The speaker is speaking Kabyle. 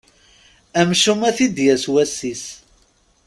Amcum ad t-id-yas wass-is.